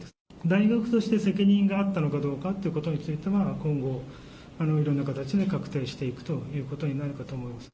大学として責任があったのかどうかということについては、今後、いろんな形で確定していくということになるかと思います。